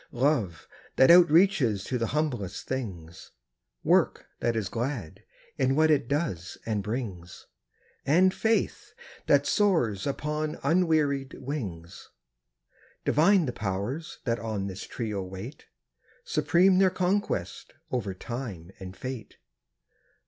Love, that outreaches to the humblest things; Work that is glad, in what it does and brings; And faith that soars upon unwearied wings. Divine the Powers that on this trio wait. Supreme their conquest, over Time and Fate.